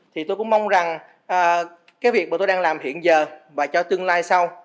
thì tôi cũng mong rằng cái việc mà tôi đang làm hiện giờ và cho tương lai sau